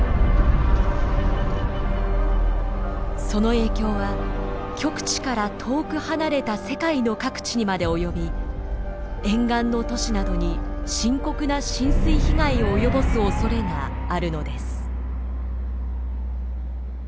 その影響は極地から遠く離れた世界の各地にまで及び沿岸の都市などに深刻な浸水被害を及ぼすおそれがあるのです。